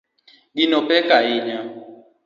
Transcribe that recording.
Gino pek ahinya